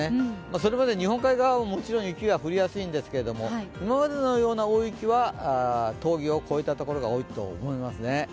それまで日本海側はもちろん雪が降りやすいんですけど今までのような大雪は峠を越えたところが多いと思いますね。